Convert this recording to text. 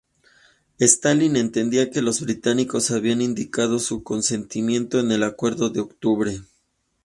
Stalin entendía que los británicos habían indicado su consentimiento en el acuerdo de octubre.